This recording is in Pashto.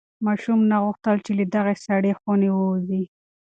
ماشوم نه غوښتل چې له دغې سړې خونې ووځي.